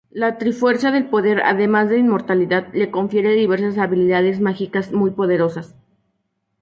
La Trifuerza del Poder, además de inmortalidad, le confiere diversas habilidades mágicas muy poderosas.